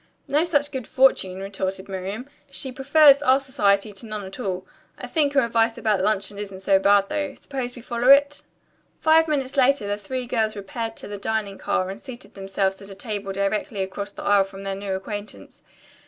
"No such good fortune," retorted Miriam. "She prefers our society to none at all. I think her advice about luncheon isn't so bad, though. Suppose we follow it?" Five minutes later the three girls repaired to the dining car and seated themselves at a table directly across the aisle from their new acquaintance.